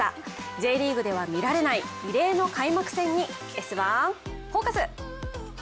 Ｊリーグでは見られない異例の開幕戦に「Ｓ☆１フォーカス」。